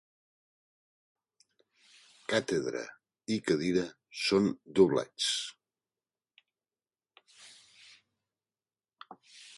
'Càtedra' i 'cadira' són doblets.